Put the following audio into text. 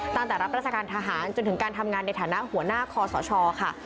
ตั้งแต่รับราชการทหารจนถึงการทำงานในฐานะหัวหน้าคอสชค่ะ